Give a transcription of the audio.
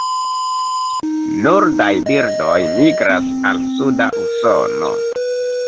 Nordaj birdoj migras al suda Usono.